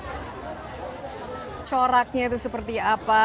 jadi coraknya itu seperti apa